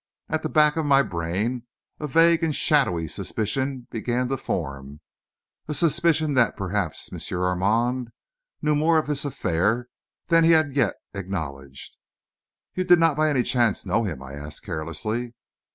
At the back of my brain a vague and shadowy suspicion began to form a suspicion that perhaps M. Armand knew more of this affair than he had as yet acknowledged. "You did not, by any chance, know him?" I asked carelessly.